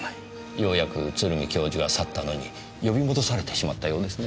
ようやく鶴見教授が去ったのに呼び戻されてしまったようですね。